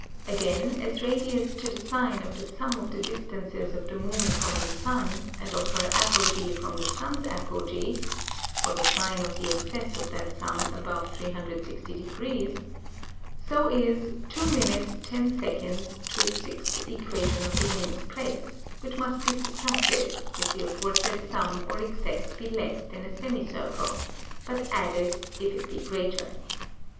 Again, as Radius to the Sine of the Summ of the Distances of the Moon from the Sun, and of her Apogee from the Sun's Apogee (or the Sine of the Excess of that Summ above 360 degrees,) :: so is 2 minutes, 10 seconds, to a sixth Equation of the Moon's Place, which must be subtracted, if the aforesaid Summ or Excess be less than a Semi circle; but added, if it be greater.